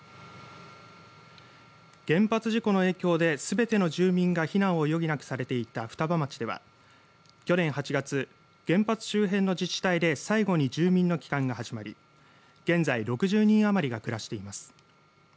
原発事故の影響ですべての住民が避難を余儀なくされていた双葉町では去年８月原発周辺の自治体で最後に住民の帰還が始まり現在６０人余りが暮らしています。